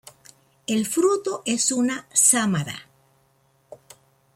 El fruto es una sámara.